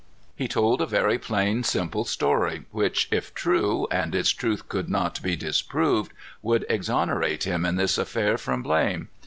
He told a very plain, simple story, which, if true, and its truth could not be disproved, would exonerate him in this affair from blame.